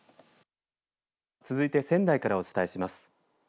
続いて、仙台からお伝えします。